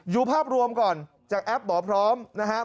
ดูภาพรวมก่อนจากแอปหมอพร้อมนะครับ